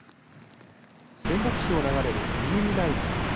仙北市を流れる入見内川